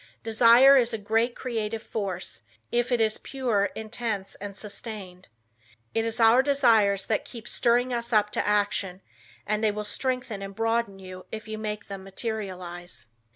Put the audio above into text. Desire is a great creative force, if it is pure, intense and sustained. It is our desires that keep stirring us up to action and they will strengthen and broaden you if you make them materialize.